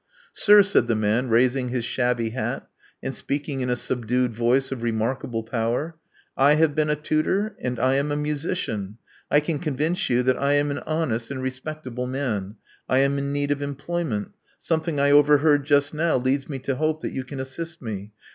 •*Sir," said the man, raising his shabby hat, and speaking in a subdued voice of remarkable power: I have been a tutor; and I am a musician. I can con vince you that I am an honest and respectable man. I am in need of employment. Something I overheard just now leads me to hope that you can assist me.